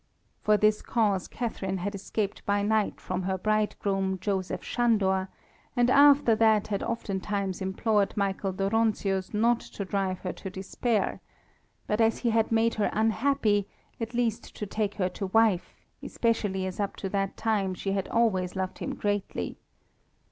For this cause Catharine had escaped by night from her bridegroom, Joseph Sándor, and after that had oftentimes implored Michael Dóronczius not to drive her to despair, but as he had made her unhappy, at least to take her to wife, especially as up to that time she had always loved him greatly.